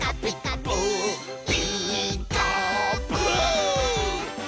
「ピーカーブ！」